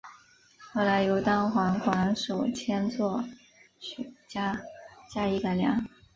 后来由单簧管手兼作曲家加以改良。